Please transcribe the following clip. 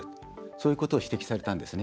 そういうことを指摘されたんです。